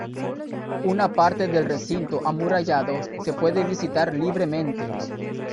Una parte del recinto amurallado se puede visitar libremente.